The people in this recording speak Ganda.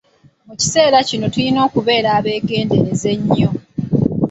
Mu kiseera kino tulina okubeera abeegendereza ennyo.